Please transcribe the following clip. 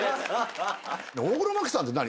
大黒摩季さんって何？